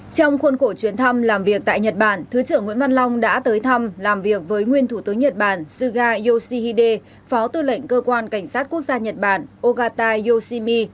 trong khuôn khổ chuyến thăm làm việc tại nhật bản thứ trưởng nguyễn văn long đã tới thăm làm việc với nguyên thủ tướng nhật bản suga yoshihide phó tư lệnh cơ quan cảnh sát quốc gia nhật bản ogata yoshimi